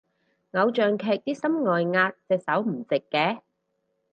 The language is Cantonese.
偶像劇啲心外壓隻手唔直嘅